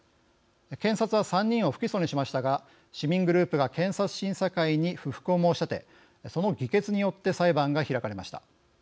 検察は３人を不起訴にしましたが市民グループが検察審査会に不服を申し立てその議決によって裁判が開かれました。